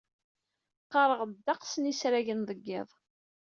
Qqareɣ ddeqs n yisragen deg iḍ.